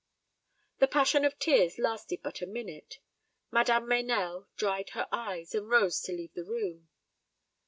The passion of tears lasted but a minute. Madame Meynell dried her eyes, and rose to leave the room.